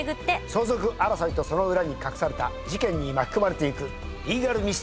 相続争いとその裏に隠された事件に巻き込まれていくリーガルミステリーです。